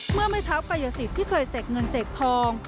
เมื่อไม่เท้ากายสิทธิ์ที่เคยเสกเงินเสกทอง